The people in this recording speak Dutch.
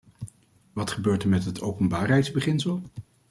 Wat gebeurt er met het openbaarheidsbeginsel?